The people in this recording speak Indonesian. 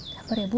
sabar ya bu